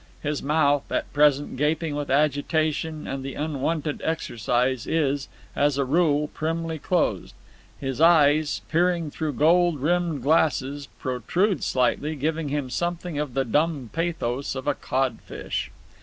His mouth, at present gaping with agitation and the unwonted exercise, is, as a rule, primly closed. His eyes, peering through gold rimmed glasses, protrude slightly, giving him something of the dumb pathos of a codfish.